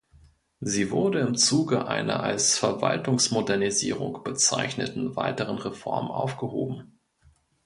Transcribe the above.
Sie wurde im Zuge einer als "Verwaltungsmodernisierung" bezeichneten weiteren Reform aufgehoben.